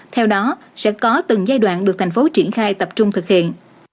theo đó sẽ có từng giai đoạn được thành phố triển khai tập trung thực hiện